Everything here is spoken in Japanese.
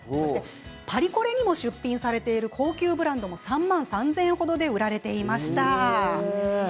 パリコレにも出品されている高級ブランドも３万３０００円程で売られていました。